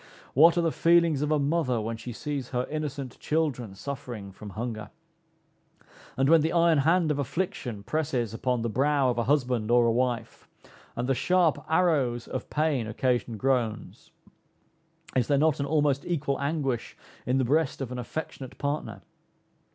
What are the feelings of a mother when she sees her innocent children suffering from hunger! And when the iron hand of affliction presses upon the brow of a husband or a wife, and the sharp arrows of pain occasion groans, is there not an almost equal anguish is the breast of an affectionate partner?